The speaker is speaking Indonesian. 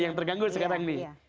yang terganggu sekarang nih